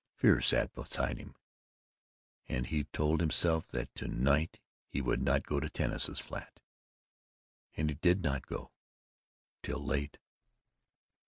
Fear sat beside him, and he told himself that to night he would not go to Tanis's flat; and he did not go... till late.